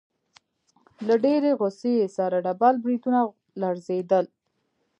له ډېرې غوسې يې سره ډبل برېتونه لړزېدل.